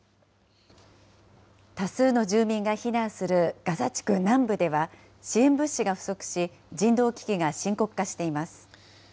多数の住民が避難するガザ地区南部では、支援物資が不足し、人道危機が深刻化しています。